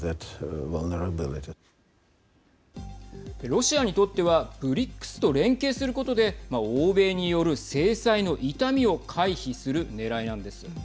ロシアにとってはＢＲＩＣＳと連携することで欧米による制裁の痛みを回避するねらいなんです。